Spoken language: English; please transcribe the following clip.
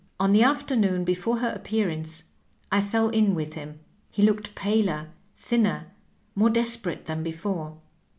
On the afternoon before her ap pearance I fell in with him; he looked paler, thinner, more desperate than before.